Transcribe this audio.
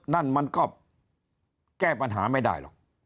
นั่นมันก็แก้ปัญหาไม่ได้หรอก